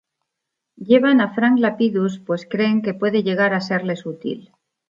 Llevan a Frank Lapidus, pues creen que puede llegar a serles útil.